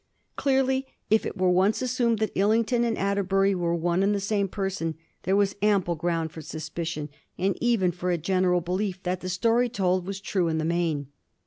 Clearly, if it were once assumed that Tllington and Atterbury were one and the same person, there was ample ground for suspicion, and even for a general belief that the story told was true in the main.